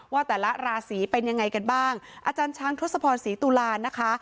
ว่าแต่ละราศีเป็นยังไงกันบ้างอาจารย์ช้างทศพรศรีตุลานะคะ